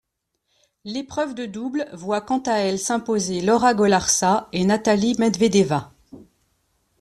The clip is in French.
L'épreuve de double voit quant à elle s'imposer Laura Golarsa et Natalia Medvedeva.